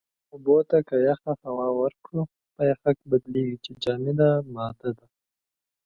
اوبو ته که يخه هوا ورکړو، په يَخٔک بدلېږي چې جامده ماده ده.